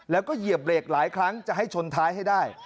แล้วก็เหยียบเบรกหลายครั้งจะให้ชนท้ายให้ได้